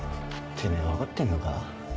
てめぇ分かってんのか？